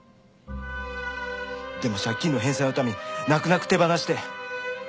でも借金の返済のために泣く泣く手放して。